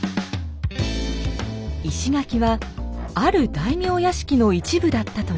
石垣はある大名屋敷の一部だったといいます。